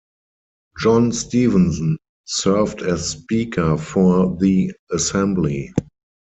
John Stevenson served as speaker for the assembly.